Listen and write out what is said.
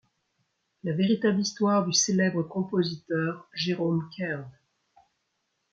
La véritable histoire du célèbre compositeur Jerome Kern.